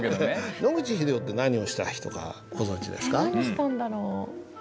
野口英世って何をした人かご存じですか？